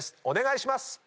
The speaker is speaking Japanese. お願いします！